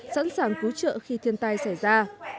sẵn sàng cứu trợ khi thiên tai xảy ra